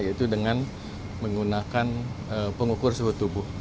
yaitu dengan menggunakan pengukur suhu tubuh